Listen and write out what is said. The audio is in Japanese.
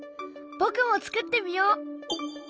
僕も作ってみよう！